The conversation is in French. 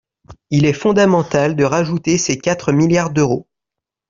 Il est fondamental de rajouter ces quatre milliards d’euros.